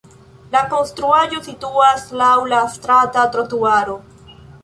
La konstruaĵo situas laŭ la strata trotuaro.